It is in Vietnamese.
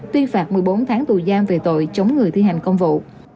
tuyên phạt một mươi bốn tháng tù giam về tội chống người thi hành công vụ